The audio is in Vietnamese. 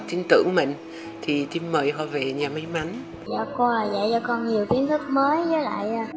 tin tưởng mình thì team mời họ về nhà may mắn dạ cô dạy cho con nhiều kiến thức mới với lại